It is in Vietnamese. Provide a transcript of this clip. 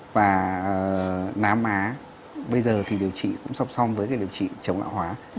và nám má bây giờ thì điều trị cũng sắp xong với điều trị chống lão hóa